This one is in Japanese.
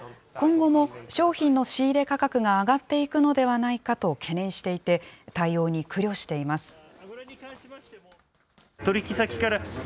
今後も商品の仕入れ価格が上がっていくのではないかと懸念していて、対応に苦慮しています。